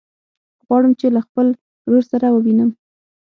غواړم چې له خپل ورور سره ووينم.